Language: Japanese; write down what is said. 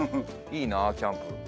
いいなキャンプ。